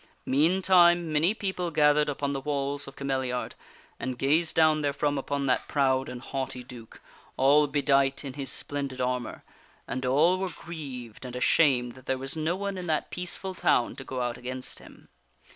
Meantime many people gathered upon the walls of Cameliard and gazed down therefrom upon that proud and haughty duke, all bedight in his splendid armor, and all were grieved and ashamed that there was no one in that peaceful town to go out against him.